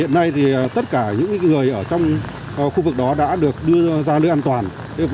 hiện nay tất cả những người ở trong khu vực đó đã được đưa ra nơi an toàn